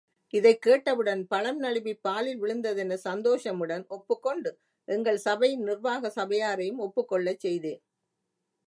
இதைக் கேட்டவுடன் பழம் நழுவிப் பாலில் விழுந்ததெனச் சந்தோஷமுடன் ஒப்புக்கொண்டு, எங்கள் சபையின் நிர்வாக சபையாரையும் ஒப்புக்கொள்ளச் செய்தேன்.